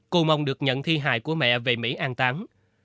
cô mong được nhận thi hài của mẹ về mỹ an tán